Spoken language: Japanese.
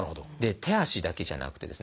手足だけじゃなくてですね